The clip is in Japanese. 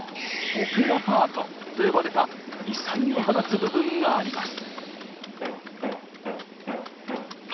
「オペラパート」と呼ばれた異彩を放つ部分があります。